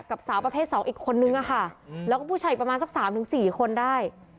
กับสาวประเภทสองอีกคนนึงอะค่ะแล้วก็ผู้ชายประมาณสักสามถึงสี่คนได้